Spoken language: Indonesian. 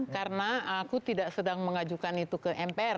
karena aku tidak sedang mengajukan itu ke mpr